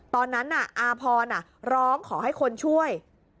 ตอนนั้นอาพรร้องขอให้คนช่วย